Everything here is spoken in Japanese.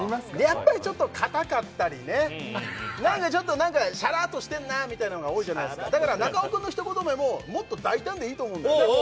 やっぱりちょっと硬かったりね何かちょっとしゃらーっとしてるなみたいなのが多いじゃないですかだから中尾君のひと言目ももっと大胆でいいと思うんだよね